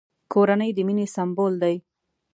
کورنۍ د مینې سمبول دی!